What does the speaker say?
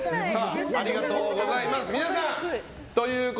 ありがとうございます。